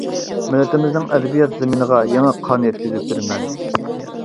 مىللىتىمىزنىڭ ئەدەبىيات زېمىنىغا يېڭى قان يەتكۈزۈپ بېرىمەن.